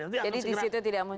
jadi disitu tidak muncul